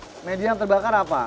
kita lihat media yang terbakar apa